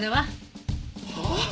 はあ！？